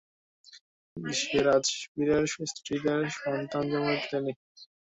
সে রাজবীরের স্ত্রীদের সন্তান জন্ম দিতে দেয়নি।